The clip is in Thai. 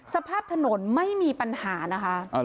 สภาพถนนไม่มีปัญหานะคะ